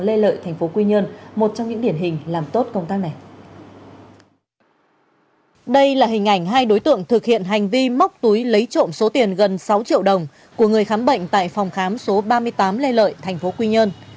đây là hình ảnh hai đối tượng thực hiện hành vi móc túi lấy trộm số tiền gần sáu triệu đồng của người khám bệnh tại phòng khám số ba mươi tám lê lợi thành phố quy nhơn